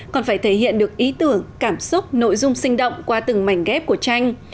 còn phải thể hiện được ý tưởng cảm xúc nội dung sinh động qua từng mảnh ghép của tranh